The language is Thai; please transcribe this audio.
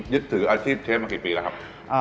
ยึดถืออาชีพเชฟมากี่ปีแล้วครับ